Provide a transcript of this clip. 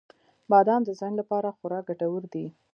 • بادام د ذهن لپاره خورا ګټور دی.